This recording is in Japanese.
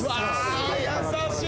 優しい！